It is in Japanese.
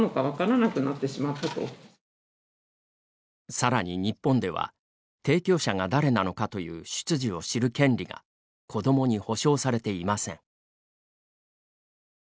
さらに日本では、提供者が誰なのかという出自を知る権利が子どもに保障されていません。